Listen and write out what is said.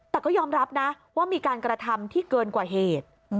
แต่ก็ยอมรับนะว่ามีการกระทำที่เกินกว่าเหตุ